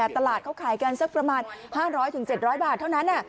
ตลาดเขาขายกันสักประมาณ๕๐๐๗๐๐บาทเท่านั้น